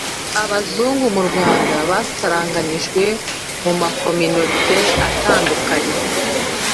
abazungu mu Rwanda basaranganijwe mu makominote atandukanye